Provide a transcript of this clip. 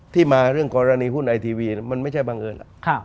มาเรื่องกรณีหุ้นไอทีวีมันไม่ใช่บังเอิญ